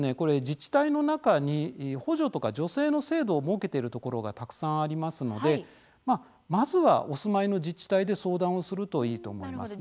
自治体の中に補助とか助成の制度を設けているところがたくさんありますのでまずはお住まいの自治体で相談をするといいと思いますね。